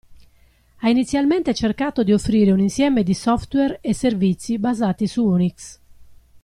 Ha inizialmente cercato di offrire un insieme di software e servizi basati su Unix.